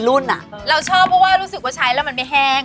รุ่นอ่ะเราชอบเพราะว่ารู้สึกว่าใช้แล้วมันไม่แห้ง